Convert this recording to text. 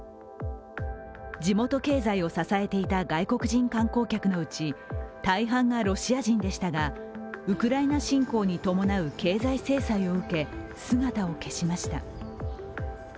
地元経済を支えていた外国人観光客のうち、大半がロシア人でしたがウクライナ侵攻に伴う経済制裁を受け、姿を消しました。